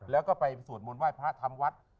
แล้วก็ไปสวดมนต์ไห้พระทำวัด